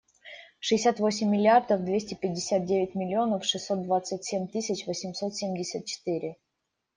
Шестьдесят восемь миллиардов двести пятьдесят девять миллионов шестьсот двадцать семь тысяч восемьсот семьдесят четыре.